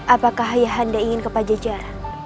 apakah ayah anda ingin ke pajajaran